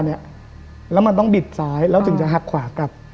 แล้วมันต้องบิดซ้ายแล้วถึงจะหักขวากลับ